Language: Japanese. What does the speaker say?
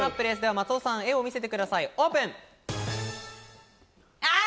松尾さん、絵を見せてください、オープン。